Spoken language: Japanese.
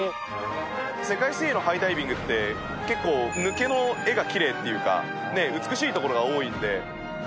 世界水泳のハイダイビングって結構抜けの画がきれいっていうか美しいところが多いので。